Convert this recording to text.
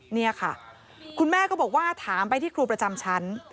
นี่ค่ะคุณแม่ก็บอกว่าถามไปที่ครูประจำชั้น